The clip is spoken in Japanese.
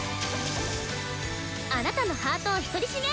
あなたのハートをひとりじめ！